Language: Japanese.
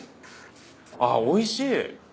あっおいしい。